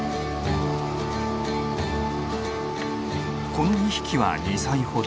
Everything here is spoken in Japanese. この２匹は２歳ほど。